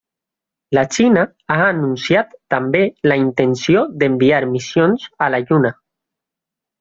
La Xina ha anunciat també la intenció d'enviar missions a la Lluna.